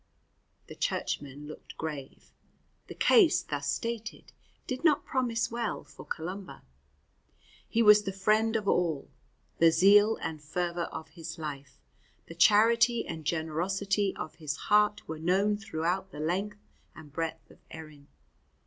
The churchmen looked grave. The case thus stated did not promise well for Columba. He was the friend of all: the zeal and fervour of his life, the charity and generosity of his heart were known throughout the length and breadth of Erin.